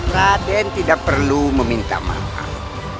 raden tidak perlu meminta maaf